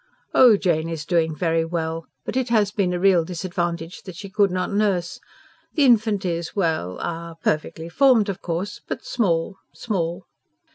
"Oh, Jane is doing very well. But it has been a real disadvantage that she could not nurse. The infant is ... well, ah ... perfectly formed, of course, but small small."